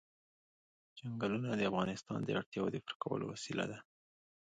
چنګلونه د افغانانو د اړتیاوو د پوره کولو وسیله ده.